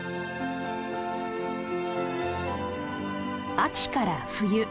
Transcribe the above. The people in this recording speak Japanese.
秋から冬。